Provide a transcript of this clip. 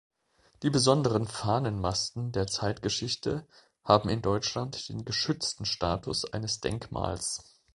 Die besonderen Fahnenmasten der Zeitgeschichte haben in Deutschland den geschützten Status eines Denkmals.